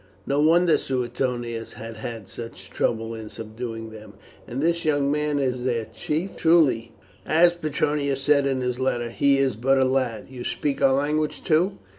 No wonder Suetonius has had such trouble in subduing them. And this young man is their chief? Truly, as Petronius said in his letter, he is but a lad. You speak our language too?"